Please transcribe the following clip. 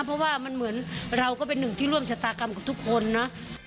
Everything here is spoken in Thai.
เพราะว่ามันเหมือนเราก็เป็นหนึ่งที่ร่วมชะตากรรมกับทุกคนเนอะ